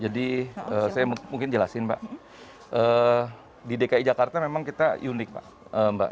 jadi saya mungkin jelasin pak di dki jakarta memang kita unik pak